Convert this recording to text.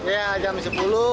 ya jam sepuluh ke sekolah